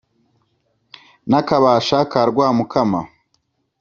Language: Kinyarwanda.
Na Kabasha ka Rwamukama